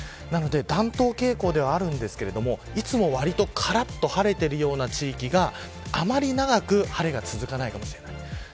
暖冬傾向ではありますがいつもわりとからっと晴れているような地域があまり長く晴れが続かないかもしれない。